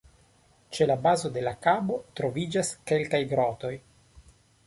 Ĉe la bazo de la kabo troviĝas kelkaj grotoj.